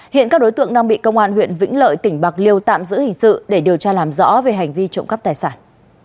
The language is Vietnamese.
hiện các đối tượng đang bị công an huyện vĩnh lợi tỉnh bạc liêu tạm giữ hình sự để điều tra làm rõ về hành vi trộm cắp tài sản